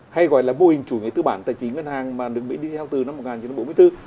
hay gọi là mô hình chủ tư bản tài chính ngân hàng mà được mỹ đi theo từ năm một nghìn chín trăm bốn mươi bốn